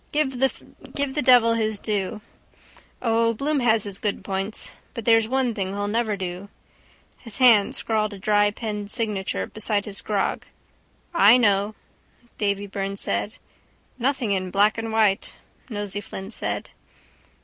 Give the devil his due. O, Bloom has his good points. But there's one thing he'll never do. His hand scrawled a dry pen signature beside his grog. —I know, Davy Byrne said. —Nothing in black and white, Nosey Flynn said.